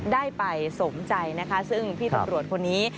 ได้ไปสมใจนะคะซึ่งพี่ตำรวจคนนี้